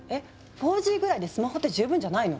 ４Ｇぐらいでスマホって十分じゃないの？